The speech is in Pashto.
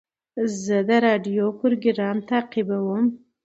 زه د راډیو پروګرام تعقیبوم.